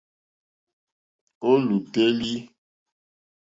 Ò lùtélì.